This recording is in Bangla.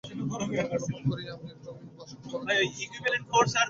এই মর্ম অবলম্বন করিয়া আমি একখানি পরম শোকাবহ উচ্চশ্রেণীর পদ্যনাটক রচনা করিয়াছিলাম।